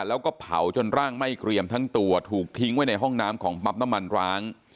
แล้วก็เผาจนร่างไหม้เกรียมทั้งตัวถูกทิ้งไว้ในห้องน้ำของปั๊บน้ำมันร้าง